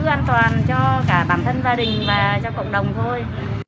an toàn cho cả bản thân gia đình và cho cộng đồng thôi